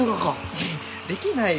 いやできないよ。